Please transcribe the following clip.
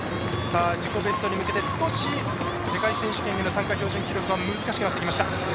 自己ベストに向けて世界選手権への参加標準記録難しくなってきました。